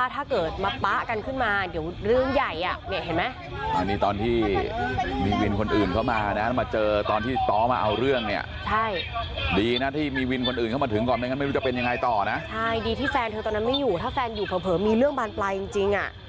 แต่กลายเป็นตอนนี้ก็ขาดรายได้ไง